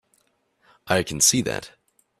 I can see that.